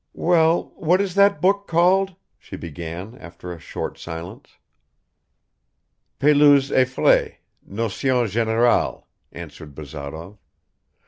"Well, what is that book called?" she began after a short silence. "Pelouse et Fré, Notions Générales ...," answered Bazarov.